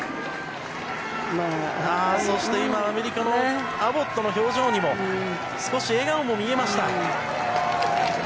そして今、アメリカのアボットの表情にも少し笑顔も見えました。